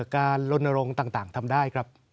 การลนรงค์ต่างทำได้ครับ